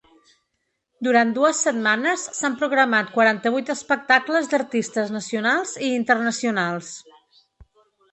Durant dues setmanes, s’han programat quaranta-vuit espectacles d’artistes nacionals i internacionals.